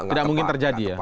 tidak mungkin terjadi ya